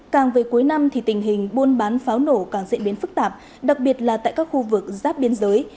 càng về cuối năm thì tình hình buôn bán pháo nổ càng diễn biến phức tạp đặc biệt là tại các khu vực giáp biên giới